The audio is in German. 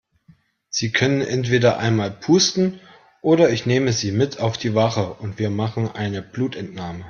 Sie können entweder einmal pusten oder ich nehme Sie mit auf die Wache und wir machen eine Blutentnahme.